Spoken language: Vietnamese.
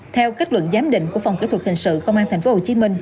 theo kết luận giám định của phòng kỹ thuật hình sự công an tp hcm